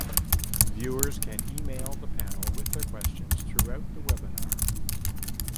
Viewers can email the panel with their questions throughout the webinar.